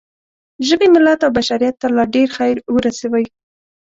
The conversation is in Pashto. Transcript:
ژبې، ملت او بشریت ته لا ډېر خیر ورسوئ.